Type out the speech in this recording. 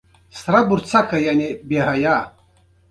ازادي راډیو د سیاست موضوع تر پوښښ لاندې راوستې.